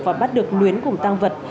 và bắt được luyến cùng tăng vật